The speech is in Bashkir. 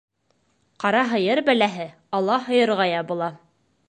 Ҡара һыйыр бәләһе ала һыйырға ябыла.